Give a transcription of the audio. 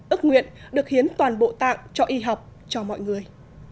ước nguyện được hiến toàn bộ tạng cho y học cho mọi người